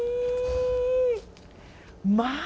まあ。